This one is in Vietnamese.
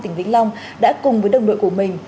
tỉnh vĩnh long đã cùng với đồng đội của mình